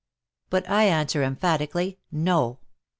But I answer emphatically, No.